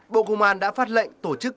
bộ công an đã phát lệnh tổ chức